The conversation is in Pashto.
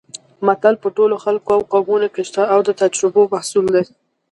متل په ټولو خلکو او قومونو کې شته او د تجربو محصول دی